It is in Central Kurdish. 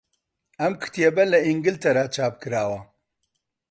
ئەم کتێبە لە ئینگلتەرا چاپکراوە.